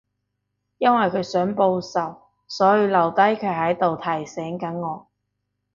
因為佢想報仇，所以留低佢喺度提醒緊我